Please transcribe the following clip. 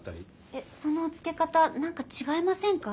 えっそのうつけ方何か違いませんか？